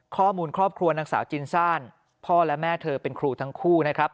ครอบครัวนางสาวจินซ่านพ่อและแม่เธอเป็นครูทั้งคู่นะครับ